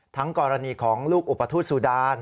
ทั้งกรณีของลูกอุปทธุรสุดาน